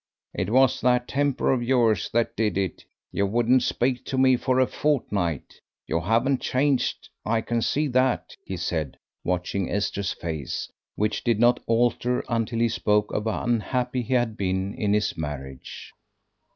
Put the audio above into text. "It was that temper of yours that did it; you wouldn't speak to me for a fortnight. You haven't changed, I can see that," he said, watching Esther's face, which did not alter until he spoke of how unhappy he had been in his marriage.